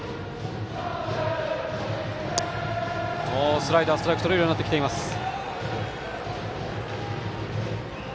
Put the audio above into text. スライダーでストライクをとれるようになってきました。